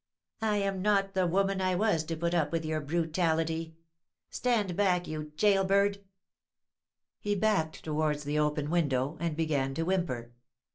I am not the woman I was to put up with your brutality. Stand back, you gaol bird." He backed towards the open window, and began to whimper.